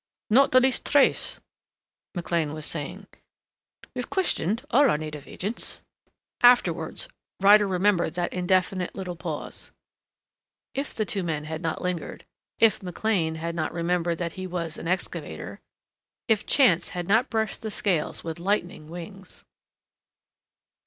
"Not the least trace," McLean was saying. "We've questioned all our native agents " Afterwards Ryder remembered that indefinite little pause. If the two men had not lingered if McLean had not remembered that he was an excavator if chance had not brushed the scales with lightning wings